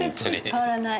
変わらない？